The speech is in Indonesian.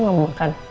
aku mau makan